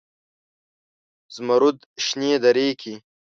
زمرودو شنې درې کې